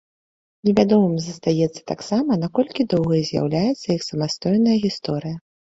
Невядомым застаецца таксама, наколькі доўгай з'яўляецца іх самастойная гісторыя.